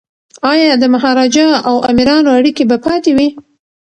ایا د مهاراجا او امیرانو اړیکي به پاتې وي؟